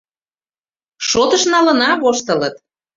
«Шотыш налына», — воштылыт.